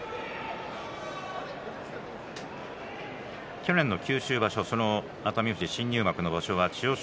去年の九州場所は熱海富士、入幕の場所は千代翔